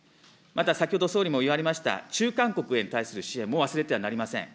また、先ほど総理も言われました中間国に対する支援も忘れてはなりません。